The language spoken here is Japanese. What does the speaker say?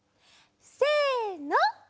せの。